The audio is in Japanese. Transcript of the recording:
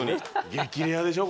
激レアでしょ？